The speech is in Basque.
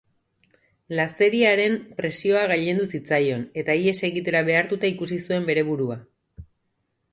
Lazeriaren presioa gailendu zitzaion, eta ihes egitera behartuta ikusi zuen bere burua.